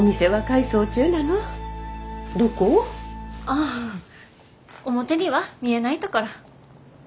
あっ表には見えないところ。